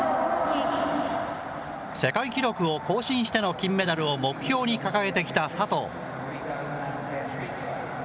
世界記録を更新しての金メダルを目標に掲げてきた佐藤。